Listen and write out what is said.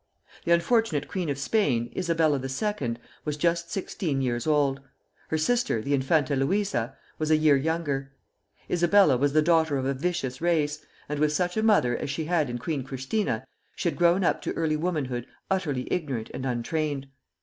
The unfortunate Queen of Spain, Isabella II., was just sixteen years old; her sister, the Infanta Luisa, was a year younger. Isabella was the daughter of a vicious race, and with such a mother as she had in Queen Christina, she had grown up to early womanhood utterly ignorant and untrained.